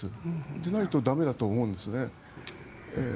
でないと駄目だと思うんですね。